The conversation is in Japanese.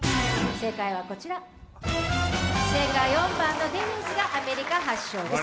正解は４番のデニーズがアメリカ発祥です。